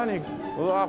うわあ